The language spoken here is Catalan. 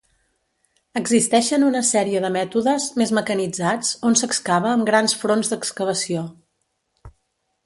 Existeixen una sèrie de mètodes, més mecanitzats, on s'excava amb grans fronts d'excavació.